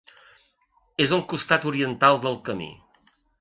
És al costat oriental del camí.